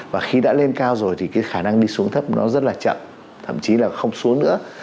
và khi đã lên cao rồi thì cái khả năng đi xuống thấp nó rất là chậm thậm chí là không xuống nữa